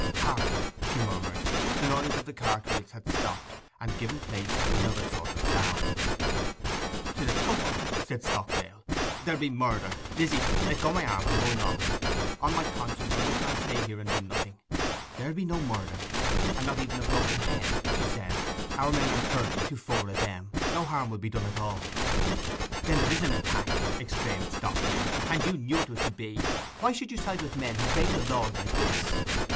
'Hark!' she murmured. The noise of the cartwheels had stopped, and given place to another sort of sound. ''Tis a scuffle!' said Stockdale. 'There'll be murder! Lizzy, let go my arm; I am going on. On my conscience, I must not stay here and do nothing!' 'There'll be no murder, and not even a broken head,' she said. 'Our men are thirty to four of them: no harm will be done at all.' 'Then there is an attack!' exclaimed Stockdale; 'and you knew it was to be. Why should you side with men who break the laws like this?